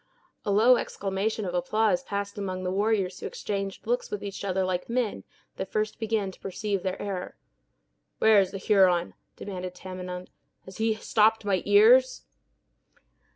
A low exclamation of applause passed among the warriors who exchanged looks with each other like men that first began to perceive their error. "Where is the Huron?" demanded Tamenund. "Has he stopped my ears?"